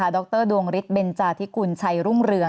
ดรดวงฤทธเบนจาธิกุลชัยรุ่งเรือง